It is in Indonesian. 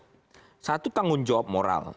yang pertama adalah tanggung jawab moral